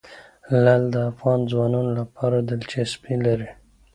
لعل د افغان ځوانانو لپاره دلچسپي لري.